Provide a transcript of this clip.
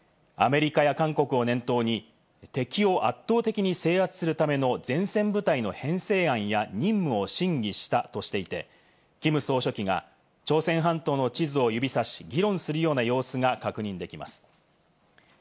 アメリカや韓国を念頭に敵を圧倒的に制圧するための前線部隊の編成案や任務を審議したとしていて、キム総書記が朝鮮半島の地図を指さし、議論するような様子が確認できます。